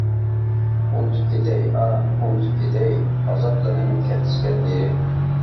ئۇنتۇپ كېتەي، ئاھ ئۇنتۇپ كېتەي، ئازابلىرىڭ كەتسىكەن نېرى.